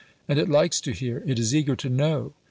And it likes to hear it is eager to know.